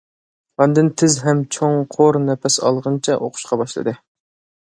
ئاندىن تېز ھەم چوڭقۇر نەپەس ئالغىنىچە ئوقۇشقا باشلىدى.